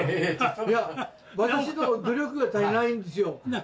いや私の努力が足りないんですよ。